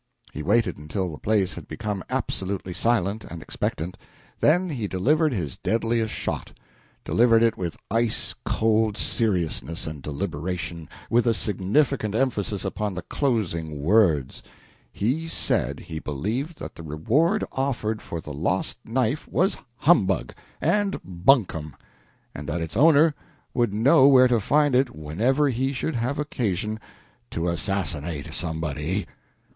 He waited until the place had become absolutely silent and expectant, then he delivered his deadliest shot; delivered it with ice cold seriousness and deliberation, with a significant emphasis upon the closing words: he said that he believed that the reward offered for the lost knife was humbug and buncombe, and that its owner would know where to find it whenever he should have occasion to assassinate somebody.